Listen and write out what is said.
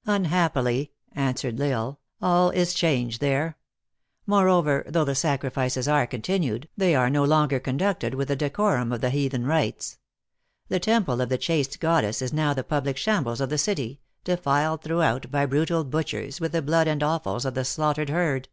" Unhappily," answered L Isle, "all is changed there. Moreover, though the sacrifices are continued, they are no longer conducted with the decorum of the heathen rites. The temple of the chaste goddess is now the public shambles of the city, defiled through out by brutal butchers, with the blood and offals of the slaughtered herd.".